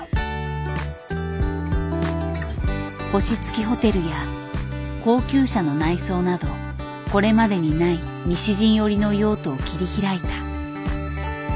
星付きホテルや高級車の内装などこれまでにない西陣織の用途を切り開いた。